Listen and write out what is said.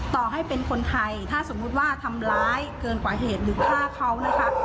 ต่อให้เป็นคนไทยถ้าสมมุติว่าทำร้ายเกินกว่าเหตุหรือฆ่าเขานะคะ